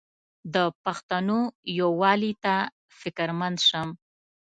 د پښتنو یووالي ته فکرمند شم.